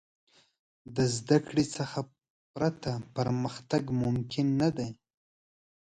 د زدهکړې څخه پرته، پرمختګ ممکن نه دی.